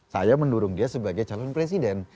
saya mendorong dia sebagai calon presiden